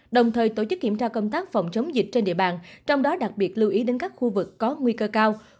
đồng thời tổ chức kiểm tra công tác phòng chống dịch trên địa bàn trong đó đặc biệt lưu ý đến các khu vực có nguy cơ cao